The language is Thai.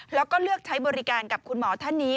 แล้วก็เลือกใช้บริการกับคุณหมอท่านนี้